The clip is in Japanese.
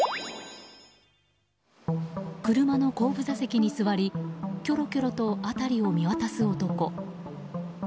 車の後部座席に座りきょろきょろと辺りを見渡す男。